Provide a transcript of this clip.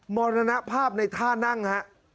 มรณภาพในท่านั่งครับ